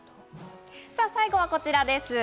最後はこちらです。